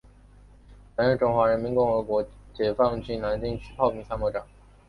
曾任中国人民解放军南京军区炮兵参谋长。